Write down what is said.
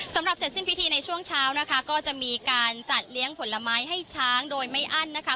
เสร็จสิ้นพิธีในช่วงเช้านะคะก็จะมีการจัดเลี้ยงผลไม้ให้ช้างโดยไม่อั้นนะคะ